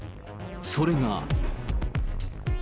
それが。